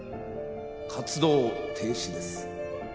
活動停止です。